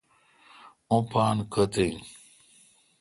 اوں پان کتھ آین؟